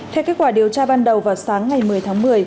theo kết quả điều tra ban đầu vào sáng ngày một mươi tháng một mươi